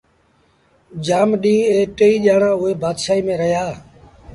جآم ڏيݩهݩ اي ٽئيٚ ڄآڻآݩ اُئي بآشآئيٚ ميݩ رهيآ